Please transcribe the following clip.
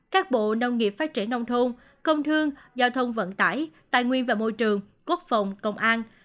các bộ nông nghiệp phát triển nông thôn công thương giao thông vận tải tài nguyên và môi trường quốc phòng công an